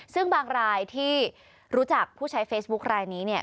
ซึ่งบางรายที่รู้จักผู้ใช้เฟซบุ๊คลายนี้เนี่ย